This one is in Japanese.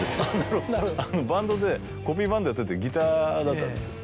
バンドでコピーバンドやっててギターだったんですよ。